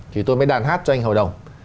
thì tôi mới đàn hát cho anh hầu đồng